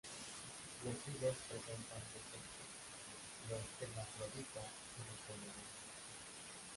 Los higos presentan dos sexos, los hermafroditas y los femeninos.